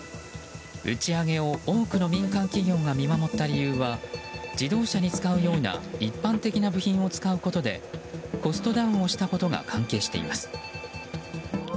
打ち上げを多くの民間企業が見守った理由は自動車に使うような一般的な部品を使うことでコストダウンをしたことが関係しています。